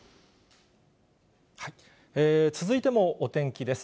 続いてもお天気です。